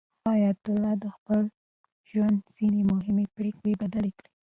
حیات الله د خپل ژوند ځینې مهمې پرېکړې بدلې کړې.